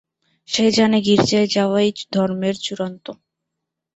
সে জানে, গির্জায় যাওয়াই ধর্মের চূড়ান্ত।